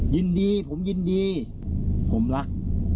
ยินดีผมยินดีผมรัก